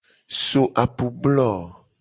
So apublo.